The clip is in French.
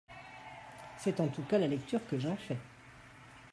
C’est en tout cas la lecture que j’en fais.